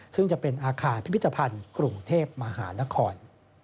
ซึ่งจะเป็นอาคารพิพิธภัณฑ์กรุงเทพมหานคร